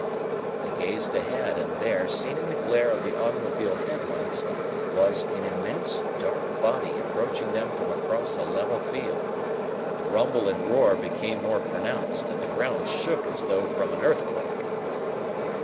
They gazed ahead, and there, seen in the glare of the automobile headlights, was an immense, dark body approaching them from across a level field. The rumble and roar became more pronounced and the ground shook as though from an earthquake.